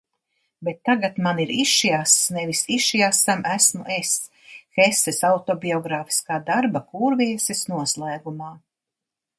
Bet tagad man ir išiass, nevis išiasam esmu es. Heses autobiogrāfiskā darba Kūrviesis noslēgumā.